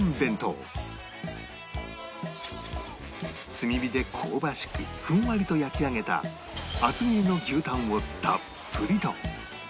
炭火で香ばしくふんわりと焼き上げた厚切りの牛たんをたっぷりと！